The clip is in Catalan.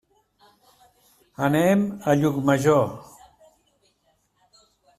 Anem a Llucmajor.